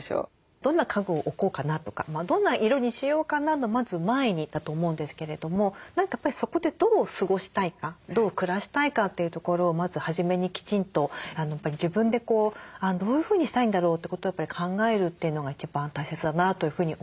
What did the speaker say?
どんな家具を置こうかな？とかどんな色にしようかな？のまず前にだと思うんですけれどもやっぱりそこでどう過ごしたいかどう暮らしたいかというところをまず初めにきちんと自分でどういうふうにしたいんだろうってことを考えるというのが一番大切だなというふうに思います。